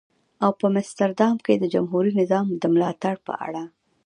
او په مستر دام کې د جمهوري نظام د ملاتړ په اړه.